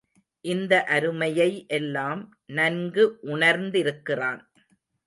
இந்த அருமையை எல்லாம் நன்கு உணர்ந்திருக்கிறான்.